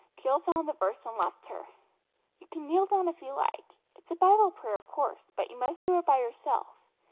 Jill found the verse, and left her. "You can kneel down if you like. It is a Bible prayer, of course, but you must do it by yourself.